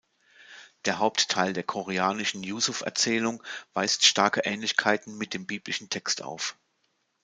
Der Hauptteil der koranischen Yusuf-Erzählung weist starke Ähnlichkeiten mit dem biblischen Text auf.